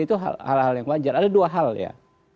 itu hal hal yang wajar ada dua hal ya